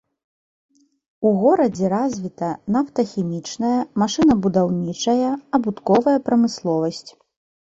У горадзе развіта нафтахімічная, машынабудаўнічая, абутковая прамысловасць.